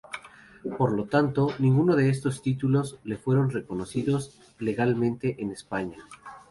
Por lo tanto, ninguno de esos títulos le fueron reconocidos legalmente en España.